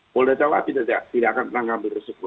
polda jawa tidak akan menangkap di resep